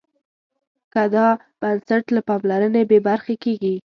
که دا بنسټ له پاملرنې بې برخې کېږي.